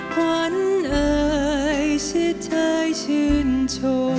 หวันเอ่ยชิดเธอยชื่นชม